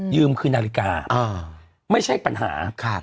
คือนาฬิกาไม่ใช่ปัญหา